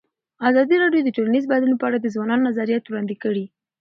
ازادي راډیو د ټولنیز بدلون په اړه د ځوانانو نظریات وړاندې کړي.